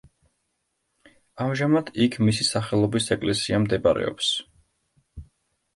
ამჟამად იქ მისი სახელობის ეკლესია მდებარეობს.